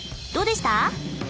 どうでした？